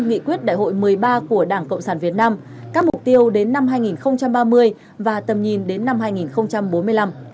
nghị quyết đại hội một mươi ba của đảng cộng sản việt nam các mục tiêu đến năm hai nghìn ba mươi và tầm nhìn đến năm hai nghìn bốn mươi năm